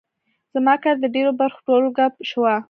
زما کار د ډېرو برخو ټولګه شوه.